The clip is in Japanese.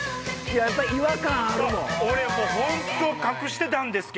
やっぱ違和感が。